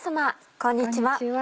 こんにちは。